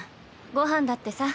ご飯だってさ。